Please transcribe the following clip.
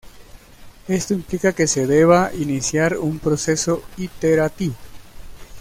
Esto implica que se deba iniciar un proceso iterativo.